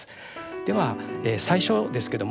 では最初ですけども。